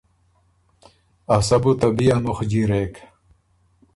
ا سۀ بو ته بی ا مُخ جیرېک